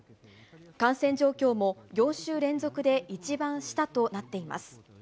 感染状況も４週連続で一番下となっています。